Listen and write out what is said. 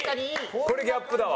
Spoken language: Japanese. これギャップだわ。